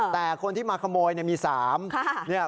แต่คนที่มาขโมยเนี่ยมี๓